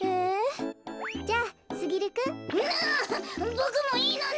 ボクもいいのね。